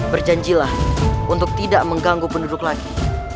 berjanjilah untuk tidak mengganggu penduduk lagi